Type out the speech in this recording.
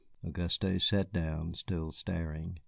Auguste sat down, still staring.